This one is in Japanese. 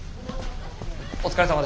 お疲れさまでした。